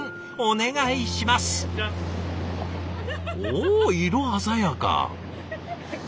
おお！色鮮やか！